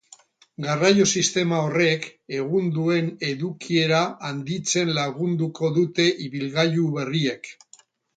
Garraio sistema horrek egun duen edukiera handitzen lagunduko dute ibilgailu berriek.